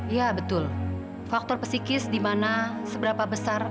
gara gara kamu minum obat penuh